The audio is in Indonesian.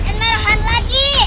dan merahan lagi